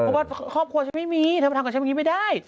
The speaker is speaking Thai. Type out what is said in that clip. ปรากฏของฉันไม่มีทำกับฉันไม่ได้